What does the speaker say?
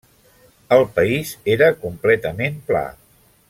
El país era completament pla.